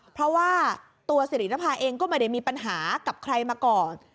เพราะว่าตัวสิรินภาเองก็ไม่ได้มีปัญหากับใครมาก่อน